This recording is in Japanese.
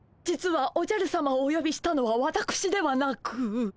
実はおじゃるさまをおよびしたのはワタクシではなく。